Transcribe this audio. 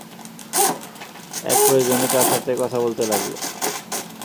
এক প্রয়োজনে তাঁর সাথে কথা বলতে লাগল।